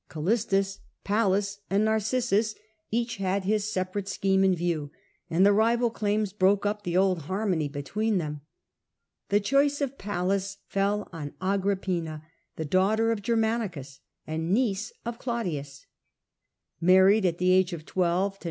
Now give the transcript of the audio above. Callistus, to^thrSioTce Pallas, and Narcissus each had his separate of a new scheme in view, and the rival claims broke up the old harmony between them. The choice of Pallas fell on Agrippina, the daughter of Agrippina, Germanicus and niece of Claudius. Mar carries^^off ried at the age of twelve to Cn.